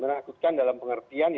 menakutkan dalam pengertian